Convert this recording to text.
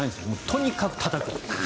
とにかくたたくという。